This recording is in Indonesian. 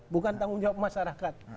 bukan tanggung jawab masyarakat